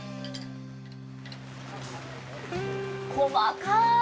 細かい。